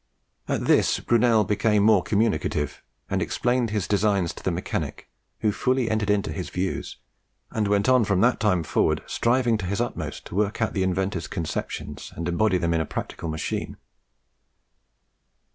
At this Brunel became more communicative, and explained his designs to the mechanic, who fully entered into his views, and went on from that time forward striving to his utmost to work out the inventor's conceptions and embody them in a practical machine.